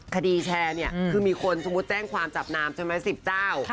คดีแชร์เนี่ยคือมีคนสมมุติแจ้งความจับนามใช่ไหม๑๐เจ้า